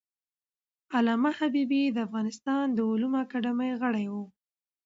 علامه حبیبي د افغانستان د علومو اکاډمۍ غړی و.